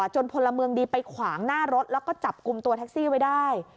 พลเมืองดีไปขวางหน้ารถแล้วก็จับกลุ่มตัวแท็กซี่ไว้ได้